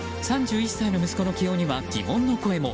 ３１歳の息子の起用には疑問の声も。